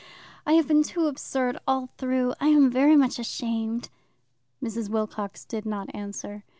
I have been too absurd all through. I am very much ashamed." Mrs. Wilcox did not answer.